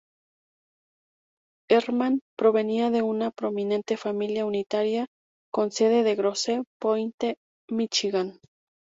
Herrmann provenía de una prominente familia unitaria, con sede en Grosse Pointe, Míchigan.